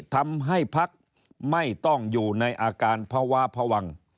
ทำให้พักไม่ต้องอยู่ในอาการพวาพวัง